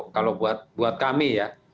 kalau buat kami ya